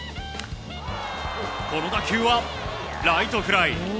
この打球はライトフライ。